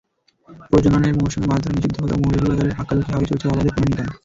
প্রজননের মৌসুমে মাছ ধরা নিষিদ্ধ হলেও মৌলভীবাজারের হাকালুকি হাওরে চলছে অবাধে পোনা নিধন।